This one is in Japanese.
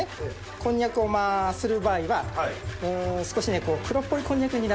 こんにゃくをする場合は少し。